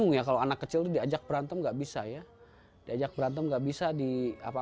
menggunakan bentuk konditif dengan friendshipashandariya menjadi kondisi kuliah dia